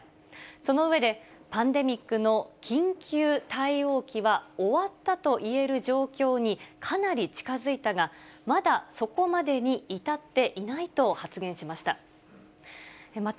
その上で、パンデミックの緊急対応期は終わったといえる状況にかなり近づいたが、まだそこまでに至っていないと発言しました。